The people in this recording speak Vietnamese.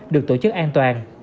được tổ chức an toàn